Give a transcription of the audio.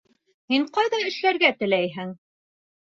Һин ҡайҙа эшләргә теләйһең?